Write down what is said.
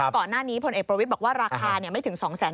ก่อนหน้านี้ผลเอกประวิปบอกว่าราคาไม่ถึง๒๐๐๐๐๐บาท